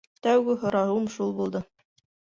— Тәүге һорауым шул булды.